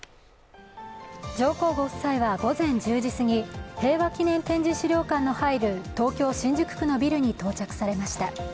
上皇ご夫妻は午前１０時すぎ平和祈念展示資料館の入る東京・新宿区のビルに到着されました。